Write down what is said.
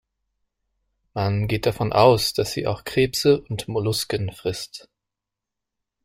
Man geht davon aus, dass sie auch Krebse und Mollusken frisst.